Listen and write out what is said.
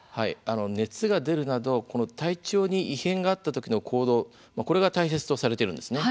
熱が出るなど体調に異変があった時の行動これが大切とされているんですね。